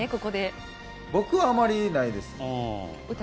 僕はあまりないです。